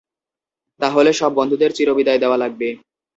তাহলে, সব বন্ধুদের চির বিদায় দেওয়া লাগবে।